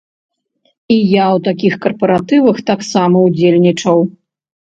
І я ў такіх карпаратывах таксама ўдзельнічаў.